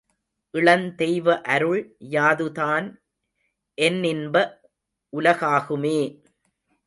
இளந் தெய்வ அருள் யாதுதான் என்னின்ப உலகாகுமே!